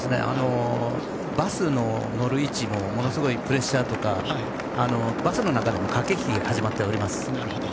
バスの乗る位置もものすごいプレッシャーとかバスの中でも駆け引きが始まっております。